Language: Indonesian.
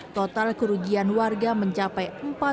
total kerugian warga mencapai